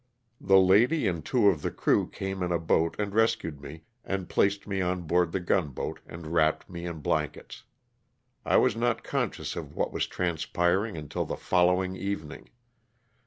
The lady and two of the crew came in a boat and rescued me, and placed me on board the gunboat and wrapped me in blankets. I was not conscious of what was transpiring until the following evening.